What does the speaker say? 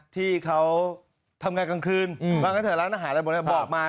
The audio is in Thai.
ที่เขาทำงานกลางคืนบ้างก็เธอร้านอาหารบอกมา